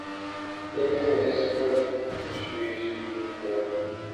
انہیں اس پر تشویش بھی ہے۔